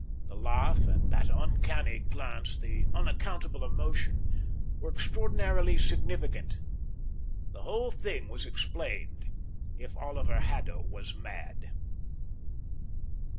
The laugh and that uncanny glance, the unaccountable emotion, were extraordinarily significant. The whole thing was explained if Oliver Haddo was mad.